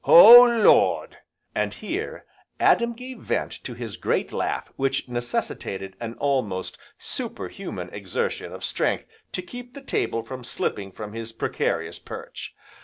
Oh Lord!" And here, Adam gave vent to his great laugh which necessitated an almost superhuman exertion of strength to keep the table from slipping from its precarious perch.